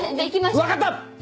わ分かった！